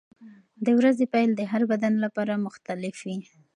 د ورځې پیل د هر بدن لپاره مختلف وي.